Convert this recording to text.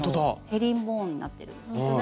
ヘリンボーンになってるんですけども。